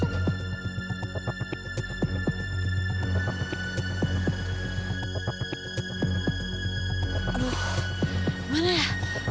aduh gimana ya